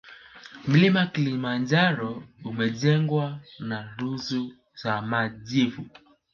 Mlima kilimanjaro umejengwa na rusu za majivu